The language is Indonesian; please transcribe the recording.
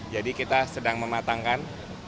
jadi kita sedang mematangkan